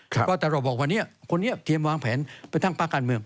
ก็แต่เราบอกวันนี้คนนี้เตรียมวางแผนไปตั้งพักการเมือง